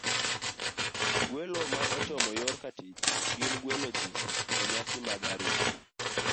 Gwelo ma ochomo yor katich gin gwelo ji e nyasi mag arus,